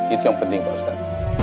itu yang penting pak ustadz